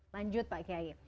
lanjut pak kiai